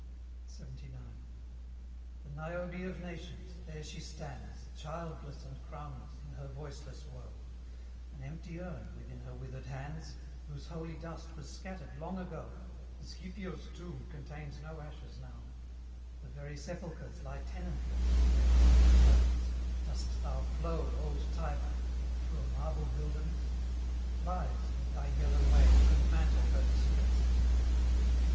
LXXIX. The Niobe of nations! there she stands, Childless and crownless, in her voiceless woe; An empty urn within her withered hands, Whose holy dust was scattered long ago; The Scipios' tomb contains no ashes now; The very sepulchres lie tenantless Of their heroic dwellers: dost thou flow, Old Tiber! through a marble wilderness? Rise, with thy yellow waves, and mantle her distress!